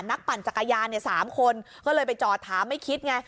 นักปั่นจักรยานเนี้ยสามคนก็เลยไปจอดถามไม่คิดไง